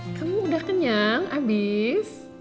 mas kamu udah kenyang abis